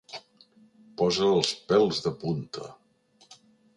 Posa els pèls de punta.